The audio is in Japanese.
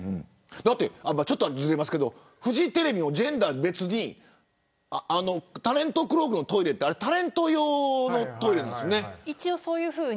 ちょっとずれますけどフジテレビのタレントクロークのトイレってタレント用のトイレなんですね。